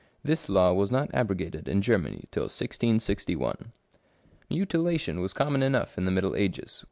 This law was not abrogated in Germany till 1661. Mutilation was common enough in the middle ages.